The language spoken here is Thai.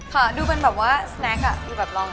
ค่ะดูเป็นแบบว่าสแนคอ่ะอยู่แบบรอง